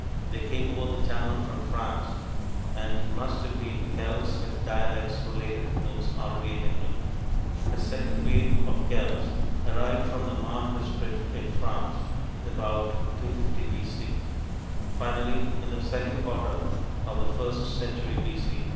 They came over the Channel from France and must have been Celts with dialects related to those already in England. A second wave of Celts arrived from the Marne district in France about 250 B.C. Finally, in the second quarter of the first century B.C.